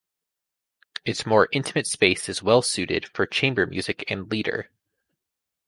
Its more intimate space is well-suited for chamber music and Lieder.